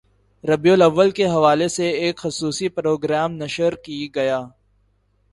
ربیع الاوّل کے حوالے سے ایک خصوصی پروگرام نشر کی گیا